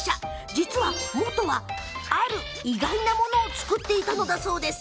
実は、もとは、ある意外なものを作っていたそうです。